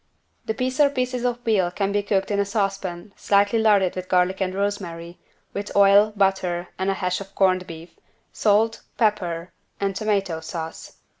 The piece or pieces of veal can be cooked in a saucepan, slightly larded with garlic and rosemary, with oil, butter and a hash of corned beef, salt, pepper and tomato sauce.